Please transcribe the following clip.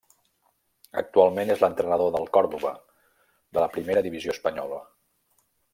Actualment és l'entrenador del Córdoba, de la Primera divisió espanyola.